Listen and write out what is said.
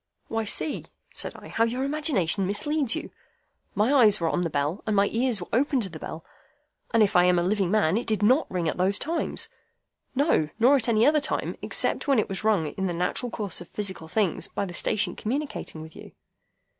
"Why, see," said I, "how your imagination misleads you. My eyes were on the bell, and my ears were open to the bell, and if I am a living man, it did NOT ring at those times. No, nor at any other time, except when it was rung in the natural course of physical things by the station communicating with you."